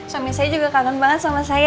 suami saya juga kangen banget sama saya